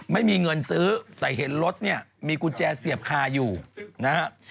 ไม่มีเงินซื้อแต่เห็นรถเนี่ยมีกุญแจเสียบคาอยู่นะฮะ